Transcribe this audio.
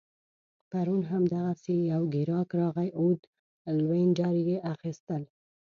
پرون هم دغسي یو ګیراک راغی عود لوینډر يې اخيستل